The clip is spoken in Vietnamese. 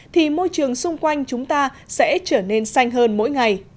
thì môi trường xung quanh chúng ta sẽ trở nên xanh hơn mỗi ngày